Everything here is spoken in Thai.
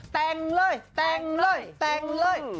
แต่งเลยแต่งเลยแต่งเลย